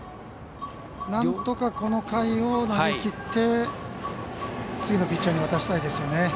なんとか、この回を投げきって次のピッチャーに渡したいですよね。